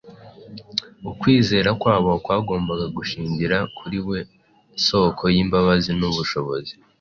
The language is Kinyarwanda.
Ukwizera kwabo kwagombaga gushingira kuri We soko y’imbabazi n’ubushobozi.